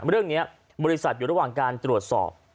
เรื่องนี้บริษัทอยู่ระหว่างการตรวจสอบ